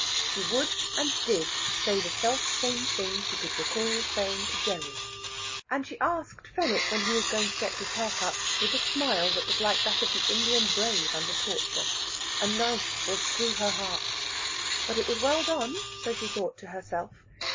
She would and did say the self same thing she could recall saying to Gerry. And she asked Fenwick when he was going to get his hair cut with a smile, that was like that of the Indian brave under torture. A knife was through her heart. But it was well done, so she thought to herself.